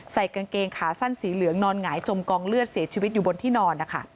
กางเกงขาสั้นสีเหลืองนอนหงายจมกองเลือดเสียชีวิตอยู่บนที่นอนนะคะ